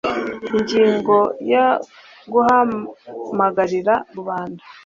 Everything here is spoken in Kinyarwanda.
ingingo ya guhamagarira rubanda